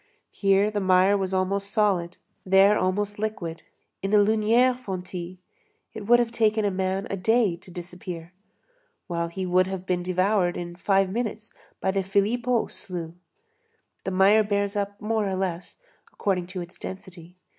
Here the mire was almost solid, there almost liquid. In the Lunière fontis, it would have taken a man a day to disappear, while he would have been devoured in five minutes by the Philippeaux slough. The mire bears up more or less, according to its density.